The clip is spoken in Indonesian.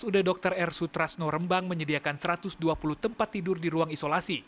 rsud dr r sutrasno rembang menyediakan satu ratus dua puluh tempat tidur di ruang isolasi